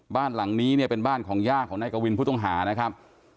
บ้านหลังนี้เนี่ยเป็นบ้านของย่าของนายกวินผู้ต้องหานะครับ